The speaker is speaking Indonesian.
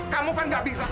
kamu kan gak bisa